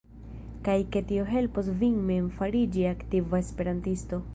Kaj ke tio helpos vin mem fariĝi aktiva esperantisto.